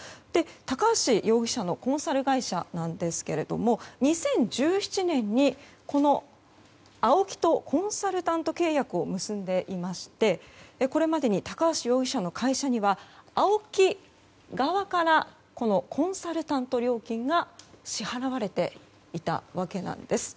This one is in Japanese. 高橋容疑者のコンサル会社ですが２０１７年にＡＯＫＩとコンサル契約を結んでいましてこれまでに高橋容疑者の会社にはＡＯＫＩ側からコンサルタント料金が支払われていたわけです。